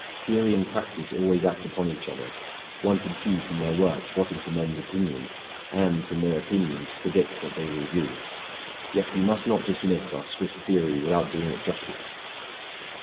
Theory and practice always act upon each other: one can see froin their works what is the men's opinion, and, from their opinions, predict what they will do. Yet we must not dismiss our Swiss theory without doing it justice.